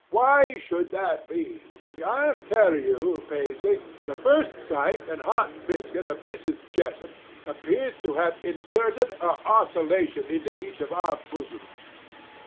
Why should that be? I'll tell you, Paisley, the first sight and hot biscuit of Mrs. Jessup appears to have inserted a oscillation into each of our bosoms.